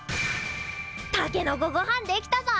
たけのこごはん出来たぞ！